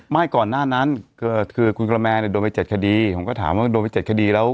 ก่อนหน้านั้นคือคุณกระแมนโดนไป๗คดีผมก็ถามว่าโดนไป๗คดีแล้ว